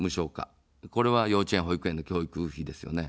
これは幼稚園、保育園の教育費ですよね。